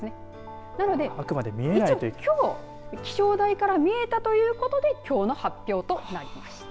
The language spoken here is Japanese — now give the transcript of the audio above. なので、きょう気象台から見えたということできょうの発表となりました。